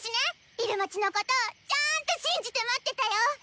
入間ちのことちゃんと信じて待ってたよ！